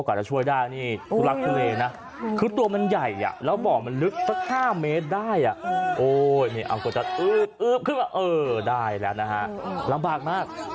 กว่า๖๐๐กิโลกรัม